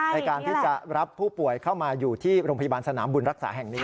ในการที่จะรับผู้ป่วยเข้ามาอยู่ที่โรงพยาบาลสนามบุญรักษาแห่งนี้